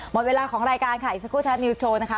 หมดเวลาของรายการค่ะอีกสักครู่ไทยรัฐนิวสโชว์นะคะ